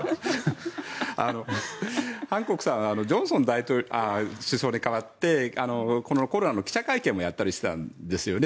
ハンコックさんはジョンソン首相に代わってこのコロナの記者会見もやったりしてたんですよね。